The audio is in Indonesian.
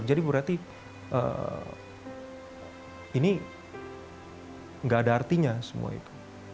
jadi berarti ini gak ada artinya semua itu